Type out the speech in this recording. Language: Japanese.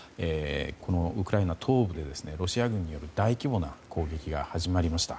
このウクライナ東部でロシア軍による大規模な攻撃が始まりました。